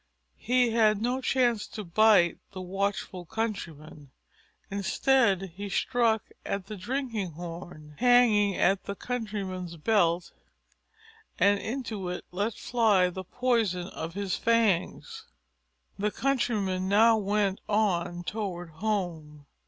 He had no chance to bite the watchful Countryman. Instead he struck at the drinking horn, hanging at the Countryman's belt, and into it let fly the poison of his fangs. The Countryman now went on toward home.